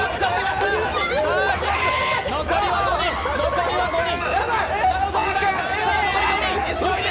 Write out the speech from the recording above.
残りは５人。